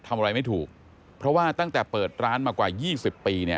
ทำอะไรไม่ถูกเพราะว่าตั้งแต่เปิดร้านมากว่า๒๐ปีเนี่ย